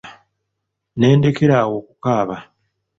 Ne ndekera awo okukaaba.